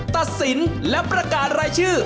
ตัดสินและประกาศรายชื่อ